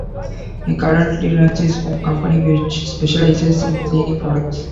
He currently runs his own company which specializes in cleaning products.